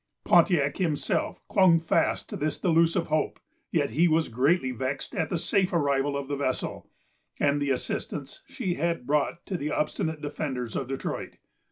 Pontiac himself clung fast to this delusive hope; yet he was greatly vexed at the safe arrival of the vessel, and the assistance she had brought to the obstinate defenders of Detroit.